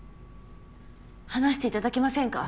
話していただけませんか？